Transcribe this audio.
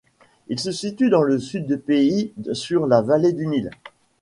Il se situe dans le sud du pays, sur la vallée du Nil.